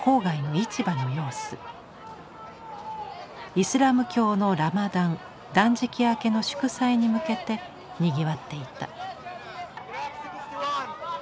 イスラム教のラマダン断食明けの祝祭に向けてにぎわっていた。